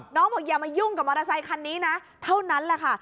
บอกอย่ามายุ่งกับมอเตอร์ไซคันนี้นะเท่านั้นแหละค่ะ